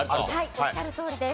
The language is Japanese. おっしゃるとおりです。